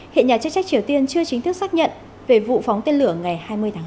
hiện nhà chức trách triều tiên chưa chính thức xác nhận về vụ phóng tên lửa ngày hai mươi tháng hai